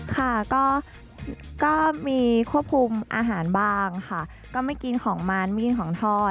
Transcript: ค่ะก็มีควบคุมอาหารบางค่ะก็ไม่กินของมันไม่กินของทอด